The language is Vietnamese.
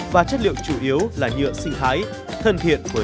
và chất liệu chủ yếu là nhựa sinh thái thân thiện với môi trường